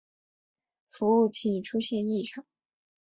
服务器出现异常